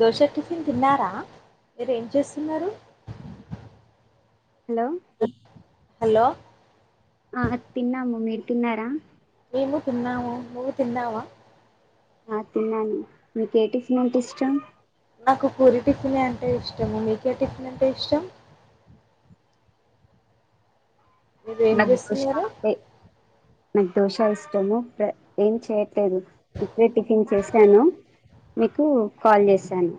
Dosa tiffin తిన్నారా మీరు ఏం చేస్తున్నారు హలో హలో ఆ తిన్నాము మీరు తిన్నారా మేము తిన్నాము నువ్వు తిన్నావా ఆ తిన్నాను నీకి ఎ టిఫన్ అంటే ఇష్టం నాకు పూరి టిఫిన్ అంటే ఇష్టము మీకే టిఫిన్ అంటే ఇష్టం మీరు ఏం నాకు దోశ చేస్తున్నారు అంటే నాకు దోశ ఇష్టము ఏం చేయట్లేదు ఇప్పుడే టిఫిన్ చేశాను మీకు కాల్ చేసాను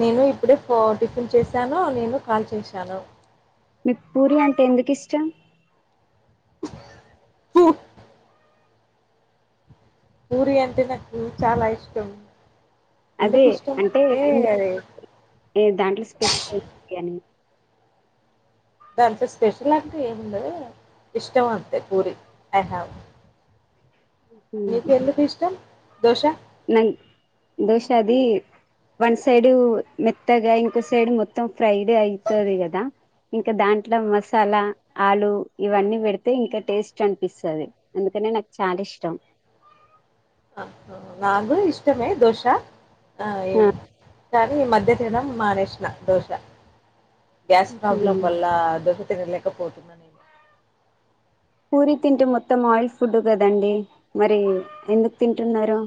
నేను ఇప్పుడే ఫ టిఫిన్ చేశాను నేను కాల్ చేశాను మీకు పూరి అంటే ఎందుకు ఇష్టం హు ఉ పూరి అంటే నాకు చాలా ఇష్టం అదే ఎందుకు ఇష్టం అంటే అది ఎందుకు దాంట్లో స్పెషల్ బిర్యానీ దాంట్లో స్పెషల్ అంటే ఏం లే ఇష్టం అంతే పూరి ఐ హావ్ నీకు ఎందుకు ఇష్టం దోశ నాకు దోశ అది వన్ సైడ్ మెత్తగా, ఇంకో సైడ్ మొత్తం ఫ్రైడ్ అయితది కదా, ఇంకా దాంట్లో మసాలా ఆలు ఇవన్నీ పెడితే, ఇంకా టేస్ట్ అనిపిస్తది. అందుకనే నాకు చాలా ఇష్ టం ఆ నాలుగు ఇష్టమే దోశ ఆ ఏం సారి మధ్యాహ్నం మానేేసినా దోశ గ్యాస్ ప్రాబ్లమ్ వల్ల దొస తిన్లే సపోర్ట్ ఉన్నా నేను పూరిీ తింటే మొత్తం ఆయిల్ ఫుడ్ కదండి మరి ఎందుకు తింటున్నారు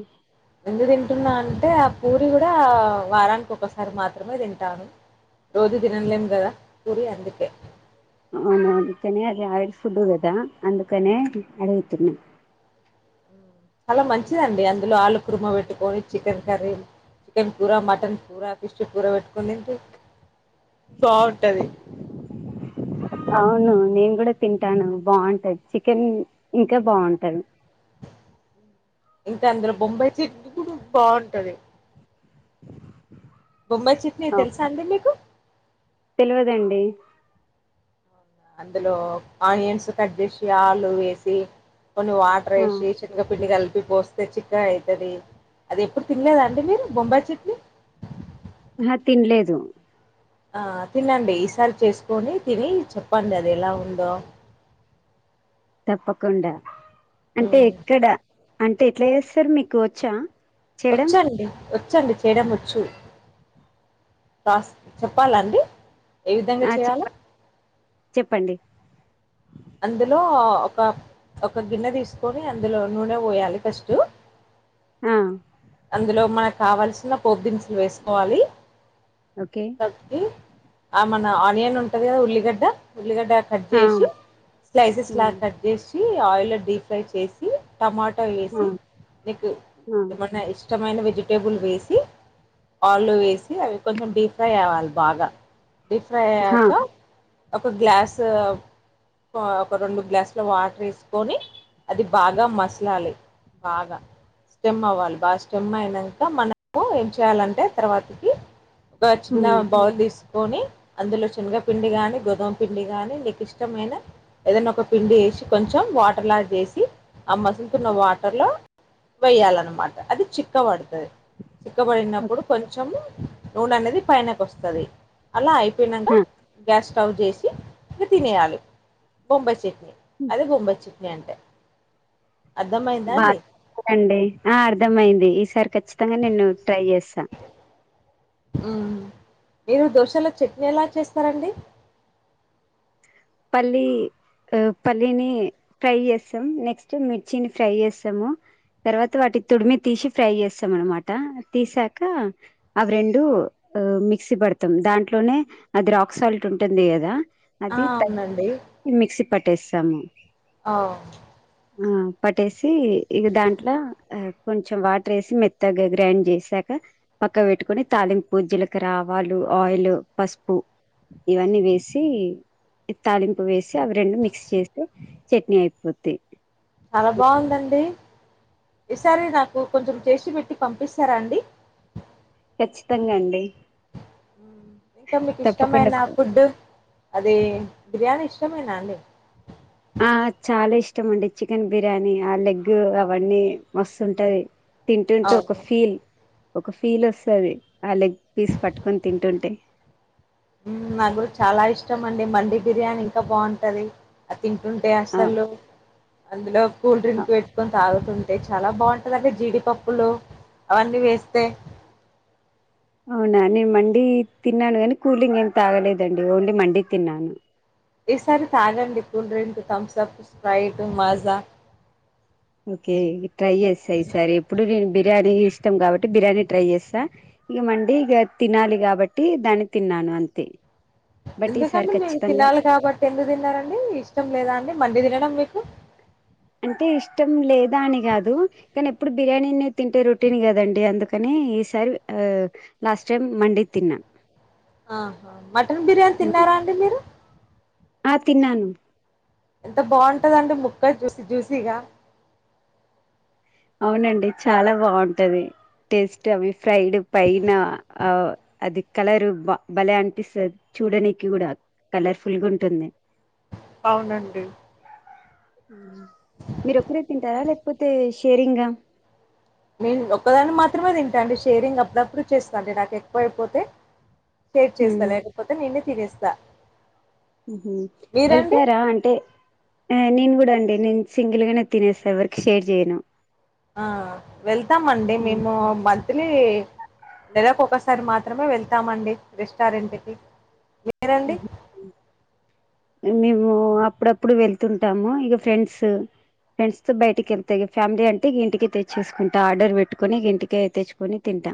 ఎందుకు తింటున్నా అంటే, ఆ పూరి కూడా వారానికి ఒకసారి మాత్రమే తింటాను. రోజు తినలేము కదా, పూరి అందుకే. అవును అందుకనే అది ఆయిల్ ఫుడ్ కదా అందుకనే అడిగితిని చాల మంచిదండి అందులో ఆలు కుర్మ పెట్టుకొని, చికెన్ కర్రీ, చికెన్ కూూర, మటన్ కూ ర, ఫిష్ కూర పెట్టుకుందిండి. బాగుంటది అవును నేను కూడా తింటాను బాగుంటది. చికెన్ ఇంకా బాగుంటది. ఇంకా అందులో బొంబై సిట్ కూడా బాగుంటది బొంబయి చెటనీ తెలుసా అండి మీకు తెలివదండి అందులో ఆనియన్స్ కట్ చేసి ఆలు వేసి కొన్ని వాటర్ వేసి సెన్నగ పిండి కలిపి పోస్తే చిక్కగా అవుతది అది ఎప్పుడు తినలేదాండి మీరు బొంబాయి చట్నీ ఆహా తినలేదు ఆ తినండి ఈసారి చేసుకొని తిని చెప్పండి అది ఎలా ఉందో తప్పకుండ అంటే మ్మ్ ఎక్కడ అన్ ఎట్లా చేస్తర్ మీకు వచ్చా చేయడం వచ్చండి వచ్చండి చేయడం వచ్చు కాస్ చెప్పాలండి ఏ విధంగా ఆ చేయాలో చెప్పం చెప్పండి అందులో ఒక ఒక గిన్నె తీసుకొని అందులో నూనె పోయాలి ఫస్ట్ ఆ అందులో మనకు కావాల్సిన దినుసులు వేసుకోవాలి ఓకే శక్తి ఆ మన ఆనియన్ ఉంటది కదా ఉల్లిగడ్డ ఉల్లిగడ్డ కట్ ఆ చేసి స్లైసెస్ లా ఉమ్ కట్ చేసి ఆయిల్ లో డీప్ ఫ్రై చేసి టమాటొ ఆ వేసి నీకు ఆ ఏమన్నా ఇష్టమైన వెజి వెజిటేబుల్ వేసి ఆల్లో వేసి అవి కొంచెం డీప్ ఫ్రైఅవాలి బాగా డీప్ ఫ్రై హా అయ్యాక ఒక గ్లాస్ ఒక రెండు గ్లాసుల వాటర్ వేసుకొని అది బాగా మసలాలి బాగా స్టెమ్ అవ్వాలి బాగా స్టెమ్ అయినాక మనము ఏం చేయాలంటే తర్వాతకి బచ్నా ఉమ్ బౌల్ తీసు కొని అందులో శనగపిండి గాని గోధుమ పిండి గాని నీకు ఇష్టమైన ఏదైనా ఒక పిండి వేసి కొంచెం వాటర్లా చేసి ఆ మసులుతున్న వాటర్లో వేయాలన్నమాట అది చిక్క బడతది చిక్కబడినప్పుడు ఓకే కొంచము నూనె అనేది పైనకి వస్తుంది అలా అయి హా [unintelligible] గ్యాస్ స్టవ్ చేసి ఇక తినేయాలి బొంబాయి చట్నీ అది బొంబాయి చ గంటే బాగారండి ఆ అర్ధమయింది ఈసారి కచ్చి కానీ నేను ట్రై చేస్తా హ్మ్ మీరు దోశలో చట్నీ ఎలా చేస్తారండి పల్లీ పల్లీని ఫ్రై చేస్తాం నెక్స్ట్ మిర్చిని ఫ్రై చేస్తము తర్వాత వాటి తుడిమి తీసి ఫ్రై చేస్తం అన్నమాట తీసాక అవి రెండూ మిక్సీ పడతాం దాంట్లోనే అది రాక్ సాల్ట్ ఉంటుంది కదా అది త అండి పట్టేసాము అవు ఆ పటేస్ ఛీ ఇక దాంట్లో ఆ కొంచెం వాటర్ వేసి మెత్తగా గ్రైండ్ చేసాక పక్క పెట్టుకుని తాలింపు జీలకర్ర ఆవాలు ఆయిల్ పసుపు ఇవన్నీ వేసి తాలింపు వేసి అవి రెండు మిక్స్ చేస్తే చట్నీ అయిపోద్ది. చాలా బావుందండి ఈసారి నాకు కొంచెం చేసి పెట్టి పంపిస్తారా అండి ఖచ్చితంగా అండి మ్మ్. తప్పకుండా అదే బిర్యానీ ఇష్టమే నా అండి ఆ చాలా ఇష్టం అండి చికెన్ బిర్యానీ ఆ లెగ్ అవన్నీ మస్తుంటాది. తింటుంటే ఒక అవును ఫీల్ ఒక ఫీల్ వస్తాది ఆ లెగ్ పీస్ పట్టుకొని తింటుంటే నాగ్గూడ చాలా ఇష్టం అండి మండి బిర్యానీ ఇంకా బావుంటది. తింటుంటే ఆ అసలు అందులో కూల్ డ్రింక్ పెట్టుకొని తాగుతుం అంటే చాలా బాగుంటదండి జీడిపప్పులు అవన్నీ వేస్తే అవునా నేను మండి తిన్నాను గానీ కూలింగ్ ఏం తాగలేదండి ఓన్లీ మండీ తిన్నాను ఈసారి తాగండి cool drink Thums Up, Sprite, Maaza okay try చేస్తా ఈ సారి ఎప్పుడు నేను బిర్యానీ ఇ ఇష్టం కాబట్టి బిర్యానీ ట్రై చేస్తా ఇక మండి ఇక తినాలి కాబట్టి దాన్ని తిన్నాను అంతే. బట్ ఈసారి ఎందుకండి మేము ఖచ్చితంగా తినాలి కాబట్టి ఎందుకు తిన్నారండి ఇష్టం లేదా అండి మండి తినడం మీకు. అంటే ఇష్టం లేదా అని కాదు కానీ ఎప్పుడు బిర్యానీనె తింటే రొటీన్ కదండి అందుకని ఈసారి లాస్ట్ టైం మండీ తిన్నా. ఆహా మటన్ బిర్యానీ ఉమ్. తిన్నారా అండి మీరు ఆ తిన్నాను ఎంత బాగుంటదండి ముక్క జూసి జూసిగా అవునండి చాలా బాగుంటది. టేస్ట్ అవి ఫ్రైడ్ పైన ఆ అది కలర్ భలే అనిపిస్తది చూడనికి కూడా కలర్ ఫుల్గా ఉంటుంది అవునండి మీరు ఒకరే తింటారా లేక పుతేష్ కేరింగా నేను ఒక్కదాని మాత్రమే తింటాండి షేరింగ్ అప్పుడప్పుడు చేస్తా అండి నాకు ఎక్కువ అయిపోతే షేర్ చేస్తా ఉమ్ లేకపోతే నేనె తినేస్తా హ మీరండి? వెళ్తారా అంటే నేను కూడా అండి నేను సింగిల్ గానేెతినేస్తా ఎవరికి షేర్ చేయను. ఆ వెళ్తామండి మేము మంత్లీ దాదాపు ఒకసారి మాత్రమే వెళ్తామండి రెస్టారెంట్ కి. ఏరండి మేము అప్పుడప్పుడు వెళ్తుంటాము. ఇక ఫ్రెండ్స్ ఫ్రెండ్స్ తో బయటికి వెళ్తే ఇక ఫ్యామిలీ అంటే ఇక ఇంటికే తెచ్చేసుకుంటా ఆర్డర్ పెట్టుకొని ఇంటికే తెచ్చుకొని తింటా.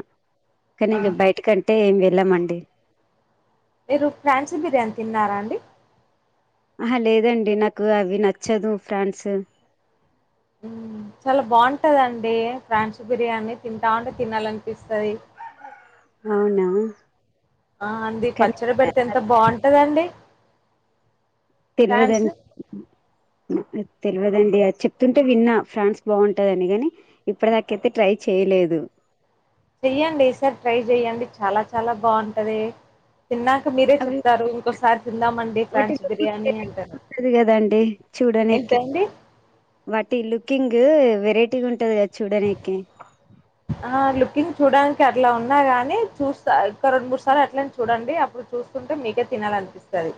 కానీ ఆ! ఇక బయట కంటే ఏం ఎలమండి మీరు ఫ్రాన్సీ బిర్యానీ తిన్నారా అండి ఆహ లేదండి నాకు అవి నచ్చదు ఫ్రాన్స్ చాలా బాగుంటదండి ఫ్రాన్స్ బిర్యానీ తింటా ఉంటే తినాలనిపిస్తది అవునా ఆ అంది కానీ పచ్చడి పెడితే ఎంత బాగుంట కదండి తెరువదని తెలవదండి అది చెప్తుంటే విన్నా ఫ్రాన్స్ బాగుంటదని కాని ఇప్పటి దాక అయితే ట్రై చేయలేదు. చెయ్యండి ఈసారి ట్రై చెయ్యండి చాలా చాలా బాగుంటది తిన్నాక మీరే అవి చెప్తారు ఇంకోసారి తిందామండి వాటి ఫ్రాన్స్ బిర్యానీ [unintelligible] అంటారు ఉంటది కదా అండి చూడనికి ఏంటండి వాటి లుకింగ్ వేర్ రేటిగా ఉంటది చూడరికి చూడానికి అట్లా ఉన్నా గాని చూస్తా ఒక రెండు మూడు సార్లు అట్లనె చూడండి అప్పుడు చూస్తుంటే మీకే తినాలనిపిస్తది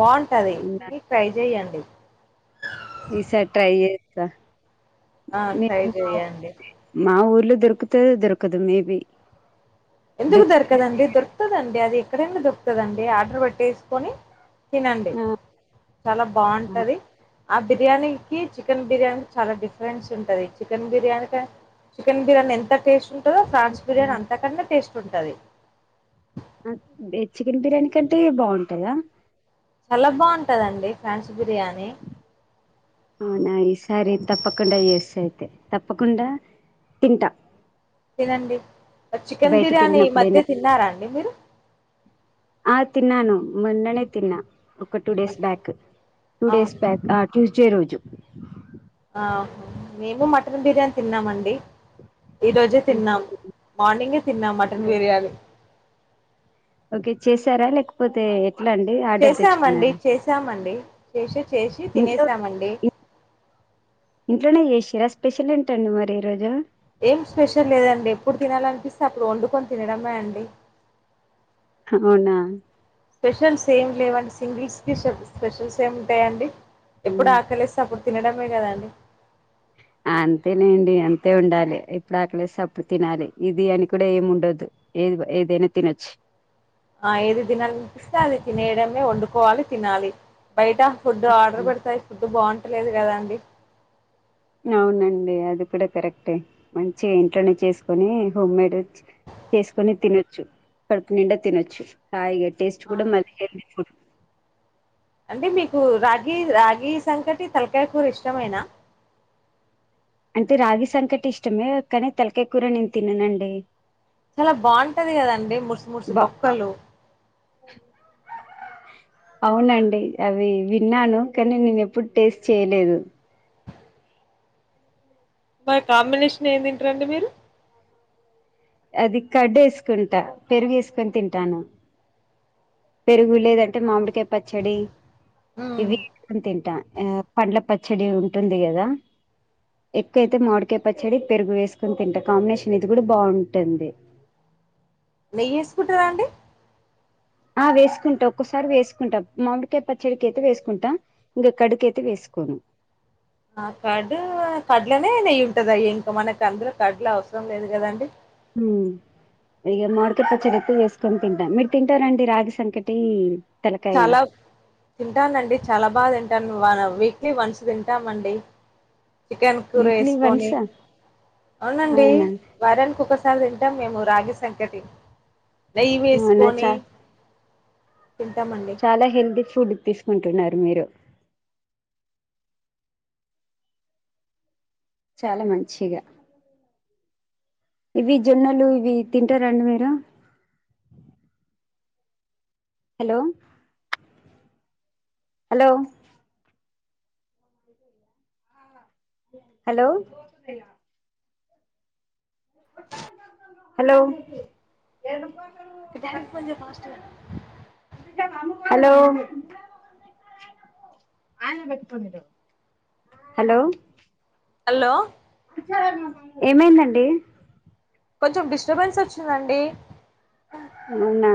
బాగుంటది తిని ట్రై చెయ్యండి ఈసారి ట్రై యే త ఆ ట్రై మీకు మా [unintelligible] చెయ్యండి మా ఊర్ ఇల్లు దొరుకుత దొరుకదు మేబి ఎందుకు దొరకదండి దొరుక్తదండి అది ఎక్కడన్న దొరుకుతదండి ఆర్డర్ పెట్టేసుకొని తినండి చాలా బాగుంటది ఆ బిర్యానీకి చికెన్ బిర్యానీ చాలా డిఫరెన్స్ ఉంటది చికెన్ బిర్యానీక చికెన్ బిర్యానీ ఎంత టేస్ట్ [unintelligible] ఫ్రాంచ్ బిర్యానీ అంతకన్న టేస్ట్ ఉంటది [unintelligible] చికెన్ బిర్యానీ కంటే బాగుంటదా చాలా బాగుంటదండి ఫ్రాన్స్ బిర్యానీ అవునా ఈసారి తప్పకుండా చేస్త అయితే తప్పకుండా తింటా తినండి అ చికెన్ బయటికి బిర్యానీ ఈ వెళ్ళినప్పుడైనా మధ్య తిన్నారా అం ఎ మీరు ఆ తిన్నాను మొన్ననే తిన్నా ఒక్క టూ డేస్ బ్యాక్ టూ అవును డేస్ బ్యాక్ ఆ టూస్ చే రోజు ఆహ మేము మటన్ బిర్యానీ తిన్నామండి ఈ రోజే తిన్నాం మార్నింగే తిన్నా మటన్ బిర్యానీ ఓకె చేసారా లేకపోతే ఎట్లా అండి ఆర్డర్ చేసామండి తెచ్చుకున్నారా చేసామండి చేశి చేశి ఇంట్లో తినేసామండి ఇంట్లోనే చేసిరా స్పెషల్ ఏంటండి మరి ఈ రోజు ఏం స్పెషల్ లేదండి ఎప్పుడు తినాలనిపిస్తే అప్పుడు వండుకొని తినడమే అండి అవునా స్పెషల్స్ ఏం లేవండి సింగిల్స్ కి షే స్పెషల్స్ ఏం ఉంటాయండి. ఎప్పుడు ఉమ్. ఆకలేస్తే అప్పుడు తినడమే గదాండి అంతేనేండి అంతే ఉండాలి ఎప్పుడు ఆకలేస్తే అప్పుడు తినాలి ఇది అని కూడా ఏం ఉండద్దు ఏది ఏదైనా తినొచ్చు ఆ ఏది దినాలనిపిస్తే అది తినేయడమే టే, వండుకోవాలి తినాలి బయట ఫుడ్ ఉమ్. ఆర్డర్ పెడతే ఫుడ్ బాగుం లేదు కదండీ అవునండి అది కూడా కరెక్టే మంచిగా ఇంట్లోనే చేసుకొని హోమ్మేడ్ చేసుకొని తినొచ్చు కడుపు నిండా తినొచ్చు హాయిగా టేస్ట్ ఆ, గూడ [unintelligible] అంటే మీకు రాగి రాగి సంకటి తలకాయ కూర ఇష్టమేన అంటే రాగి సంకటి ఇష్టమే కానీ తలకాయ కూర నేను తిననండి చాలా బాగుంటది కదండి ముర్సు ముర్సు బా బొక్కలు అవునండి అవి విన్నాను కానీ నేను ఎప్పుడు టేస్ట్ చేయలేదు మరి కాంబినేషన్ ఏం తింటరండి మీరు అది కడ్డ్ ఏసుకుంటా పెరుగు ఏసుకొని తింటాను పెరుగు లేదంటే మామిడికాయ్ పచ్చడి మ్మ్. ఇవి తింటా ఆ పండ్ల పచ్చడి ఉంటుంది కదా ఎక్కువయితే మాడికాయ పచ్చడి పెరుగు వేసుకొని తింటా కాంబినేషన్ ఇది కూడా బాగుం టుంది నెయ్యి ఏసుకుంటరా అండి ఆ వేసుకుంటా ఒక్కసారి వేసుకుంటా మామిడికాయ పచ్చడికి అయితే వేసుకుంటా ఇంకా కర్డ్ అయితే వేసుకోను ఆ కర్డ్ కడ్లనే నెయ్యి ఉంటదాయే ఇంక మనకు అందులో కర్డ్ లో అవసరం లేదు కదండి మ్మ్ ఇగ మామిడికాయ పచ్చడి ఎక్కువ వేసుకొని తింటాను మీరు తింటారండి రాగి సంకటి తలకాయ చాలా తింటానండి చాలా బాగా తింటాను నువ్వాలా వీక్లీ వన్స్ తింటామండి చికెన్ కూర వీక్లీ ఏసుకొని వన్స్ అవునండి అవునా వారనికి ఒకసారి తిం టం మేము రాగి సంకటి నెయ్యి అవునా వేసుకొని చ తింటామండి చాలా హెల్దీ ఫుడ్ తీసుకుంటున్నారు మీరు చాలా మంచిగా ఇవి జొన్నలు ఇవి తింటారండి మీరు హలో హలో హలో హలో అక్క డాడికి ఫోన్ చేయ్యక్క ఫస్టు హలో హలో హలో ఏమైందండీ కొంచెం డిస్టబెన్స్ వచ్చిందండి అవునా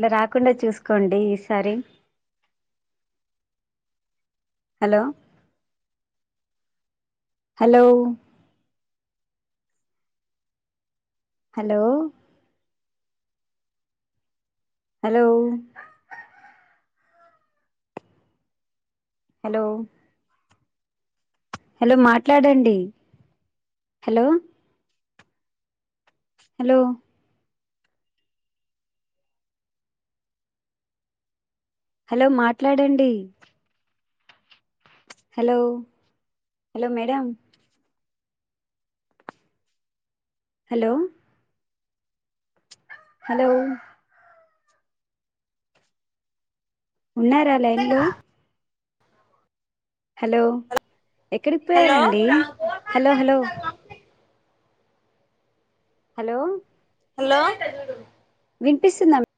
ట్లా రాకుండా చూసుకోండి ఈసారి hello hello hello hello hello hello మాట్లాడండి హలో హలో హలో మాట్లాడండి hello hello madam hello hello ఉన్నారా లైన్లో హలో ఎక్కడికి హలో పోయారండి హలో హలో హలో హలో వినిపిస్తుందా మీ